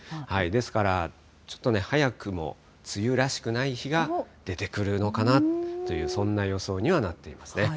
ですから、ちょっと早くも梅雨らしくない日が出てくるのかなという、そんな予想にはなってますね。